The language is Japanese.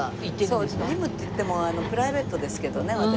そうジムっていってもプライベートですけどね私。